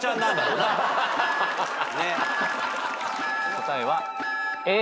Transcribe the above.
答えは。